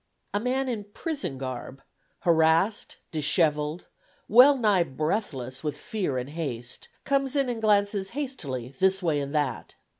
A man in prison garb, harassed, dishevelled, well nigh breathless with fear and haste, comes in and glances hastily this way and that.